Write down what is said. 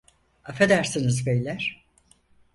Affedersiniz beyler.